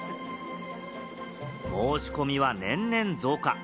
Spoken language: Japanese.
申し込みは年々増加。